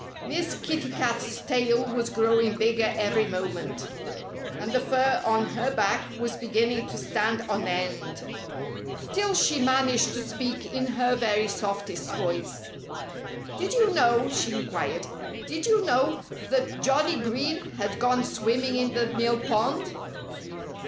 Miss Kitty Cat's tail was growing bigger every moment. And the fur on her back was beginning to stand on end. Still she managed to speak in her very softest voice. "Did you know " she inquired "did you know that Johnnie Green had gone swimming in the mill pond?"